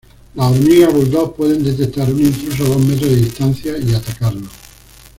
Las hormigas bulldog pueden detectar un intruso a dos metros de distancia y atacarlo.